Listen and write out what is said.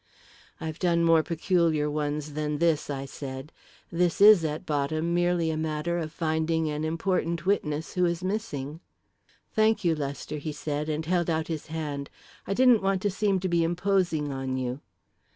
"I've done more peculiar ones than this," I said. "This is, at bottom, merely a matter of finding an important witness who is missing." "Thank you, Lester," he said, and held out his hand. "I didn't want to seem to be imposing on you."